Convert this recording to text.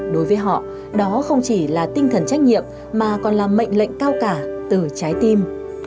đối với họ đó không chỉ là tinh thần trách nhiệm mà còn là mệnh lệnh cao cả từ trái tim